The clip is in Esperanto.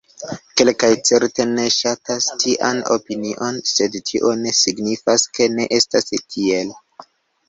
Kelkaj certe ne ŝatas tian opinion, sed tio ne signifas, ke ne estas tiel.